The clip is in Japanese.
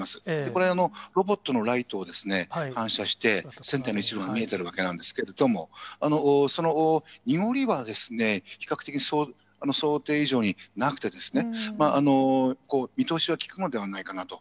これはロボットのライトを反射して、船体の一部が見えてるわけなんですけれども、その濁りは比較的想定以上になくて、見通しが利くのではないかなと。